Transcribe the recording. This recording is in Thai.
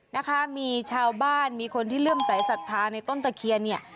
นะคะมีชาวบ้านมีคนที่เริ่มสายศรัทธาในต้นตะเคียนเนี่ย